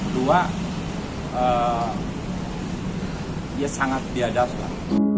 dua ia sangat diadaptan